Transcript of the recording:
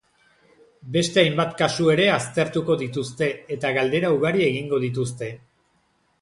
Beste hainbat kasu ere aztertuko dituzte, eta galdera ugari egingo dituzte.